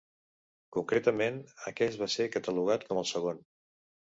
Concretament, aquest va ser catalogat com el segon.